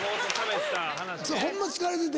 ホンマ疲れてて。